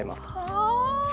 ああ！